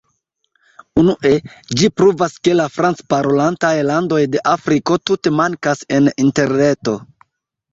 Unue, ĝi pruvas ke la franc-parolantaj landoj de Afriko tute mankas en Interreto.